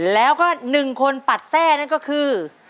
แล้วก็๑คนปัดแทร่นั่นก็คือ